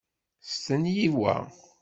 Stenyi wa.